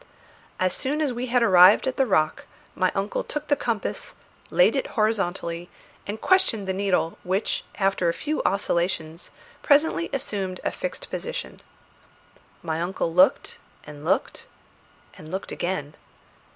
As soon as we had arrived at the rock my uncle took the compass, laid it horizontally, and questioned the needle, which, after a few oscillations, presently assumed a fixed position. My uncle looked, and looked, and looked again.